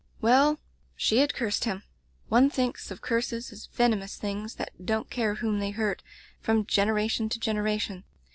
"Well — ^she had cursed him. One thinks of curses as venomous things that don't care whom they hurt 'from generation to genera tion.'